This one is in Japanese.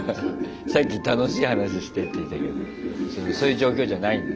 さっき「楽しい話して」って言ったけどそういう状況じゃないんだ。